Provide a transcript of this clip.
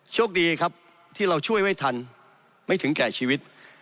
โชคดีครับที่เราช่วยไม่ทันไม่ถึงแก่ชีวิต